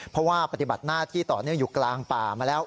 เพราะว่าปฏิบัติหน้าที่ต่อเนื่องอยู่กลางป่ามาแล้ว